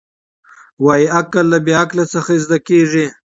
وايي عقل له بې عقله څخه زده کېږي.